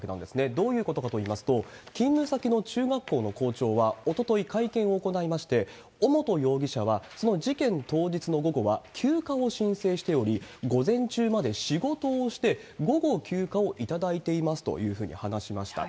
どういうことかといいますと、勤務先の中学校の校長は、おととい、会見を行いまして、尾本容疑者はその事件当日の午後は休暇を申請しており、午前中まで仕事をして、午後、休暇を頂いていますというふうに話しました。